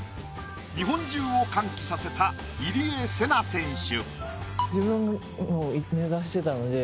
日本中を歓喜させた入江聖奈選手。